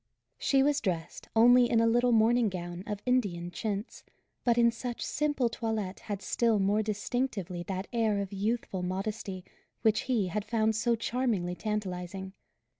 She was dressed only in a little morning gown of Indian chintz, but in such simple toilet had still more distinctively that air of youthful modesty which he had found so charmingly tantalizing.